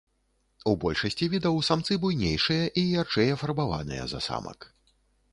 У большасці відаў самцы буйнейшыя і ярчэй афарбаваныя за самак.